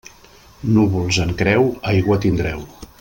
Núvols en creu, aigua tindreu.